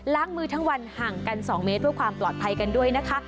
ล้างมือทั้งวันห่างกัน๒เมตรเพื่อความปลอดภัยกันด้วยนะคะ